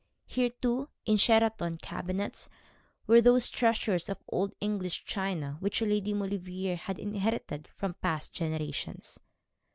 Here, too, in Sheraton cabinets, were those treasures of old English china which Lady Maulevrier had inherited from past generations.